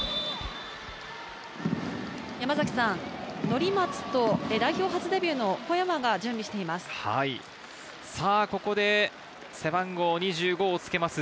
乗松と代表初デビューの小山が準備しています。